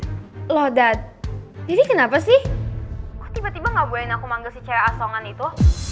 loh dad jadi kenapa sih kok tiba tiba gak bolehin aku manggil si cewek asongan itu